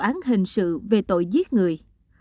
vụ án hình sự về tội giết người